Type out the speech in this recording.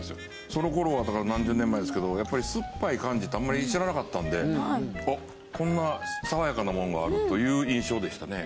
その頃はだから何十年前ですけどやっぱり酸っぱい感じってあんまり知らなかったんでこんな爽やかなもんがあるという印象でしたね。